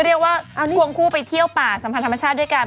เรียกว่าควงคู่ไปเที่ยวป่าสัมพันธ์ธรรมชาติด้วยกัน